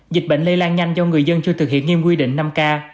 dịch bệnh lây lan nhanh do người dân chưa thực hiện nghiêm quy định năm k